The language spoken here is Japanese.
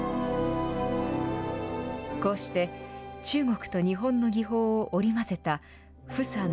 こうして、中国と日本の技法を織り交ぜた、傅さん